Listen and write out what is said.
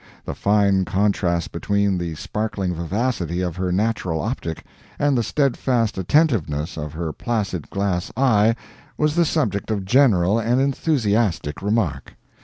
The fine contrast between the sparkling vivacity of her natural optic, and the steadfast attentiveness of her placid glass eye, was the subject of general and enthusiastic remark.